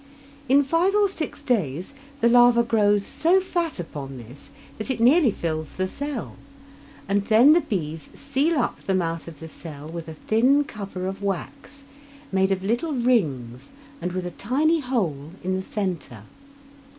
In five or six days the larva grows so fat upon this that it nearly fills the cell, and then the bees seal up the mouth of the cell with a thin cover of wax, made of little rings and with a tiny hole in the centre.